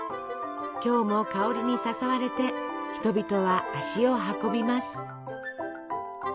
今日も香りに誘われて人々は足を運びます。